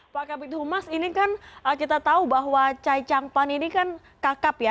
pak kabin humas ini kan kita tahu bahwa cai cangpan ini kan kakap ya